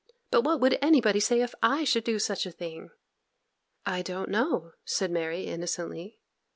But what would anybody say if I should do such a thing?' 'I don't know,' said Mary, innocently.